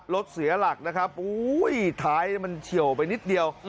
รถเสียหลักอุวียท้ายมันเฉไหลไปนิดเดียว